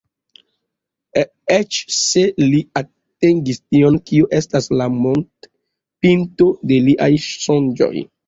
Eĉ se li atingis tion, kio estis la montpinto de liaj sonĝoj."